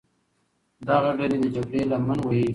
دغه ډلې د جګړې لمن وهي.